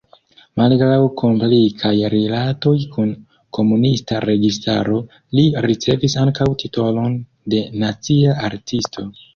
Malgraŭ komplikaj rilatoj kun komunista registaro li ricevis ankaŭ titolon de Nacia artisto.